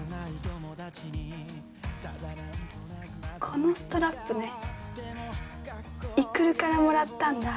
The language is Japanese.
このストラップね育からもらったんだ